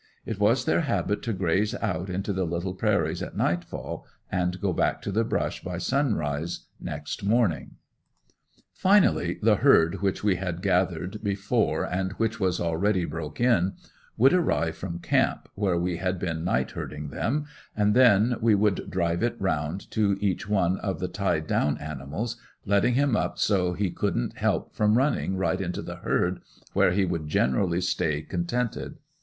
It was their habit to graze out into the little prairies at night fall and go back to the brush by sunrise next morning. Finally the herd which we had gathered before and which was already "broke in," would arrive from camp, where we had been night herding them and then we would drive it around to each one of the tied down animals, letting him up so he couldn't help from running right into the herd, where he would generally stay contented.